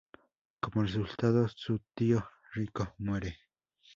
Como resultado, su tío rico muere.